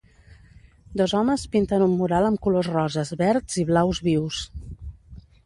Dos homes pinten un mural amb colors roses, verds i blaus vius.